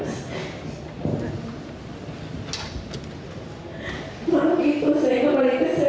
setelah itu saya kembali ke sel